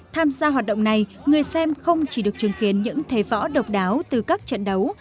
tham gia hoạt động này người xem không chỉ được chứng kiến những thầy võ độc đáo từ các trận đấu